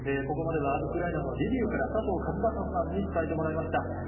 ここまでは、ウクライナのリビウから、佐藤和孝さんに伝えてもらいました。